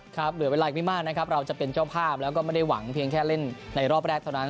เหลือเวลาอีกไม่มากนะครับเราจะเป็นเจ้าภาพแล้วก็ไม่ได้หวังเพียงแค่เล่นในรอบแรกเท่านั้น